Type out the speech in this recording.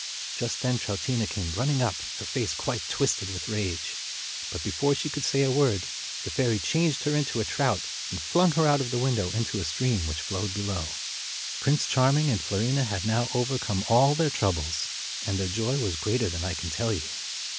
Just then Troutina came running up, her face quite twisted with rage; but before she could say a word, the fairy changed her into a trout, and flung her out of the window into a stream which flowed below. Prince Charming and Fiorina had now over come all their troubles, and their joy was greater than I can tell you.